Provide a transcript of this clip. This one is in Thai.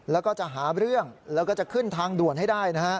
แล้วก็จะหาเรื่องแล้วก็จะขึ้นทางด่วนให้ได้นะฮะ